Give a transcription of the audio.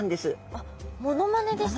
あっモノマネですか？